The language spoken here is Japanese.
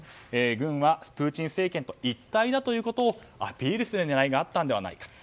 軍はプーチン政権と一体だということをアピールする狙いがあったのではないかと。